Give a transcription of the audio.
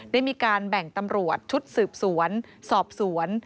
ได้มีการแบ่งตำรวจชุดสืบสวนสอบสวน